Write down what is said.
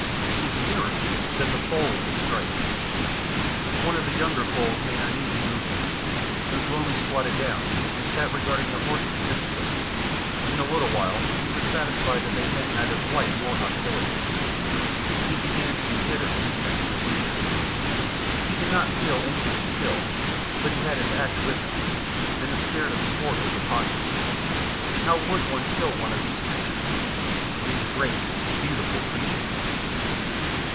he's nearer," said the Foal with a stripe. One of the younger foals made uneasy movements. Ugh lomi squatted down, and sat regarding the horses fixedly. In a little while he was satisfied that they meant neither flight nor hostilities. He began to consider his next procedure. He did not feel anxious to kill, but he had his axe with him, and the spirit of sport was upon him. How would one kill one of these creatures? these great beautiful creatures!